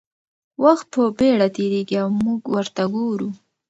وخت په بېړه تېرېږي او موږ ورته ګورو.